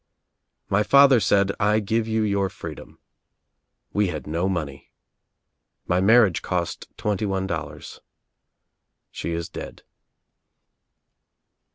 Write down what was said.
My father said, 'I give you your freedom.' We had no money. My marriage cost twenty one dol lars. She is dead."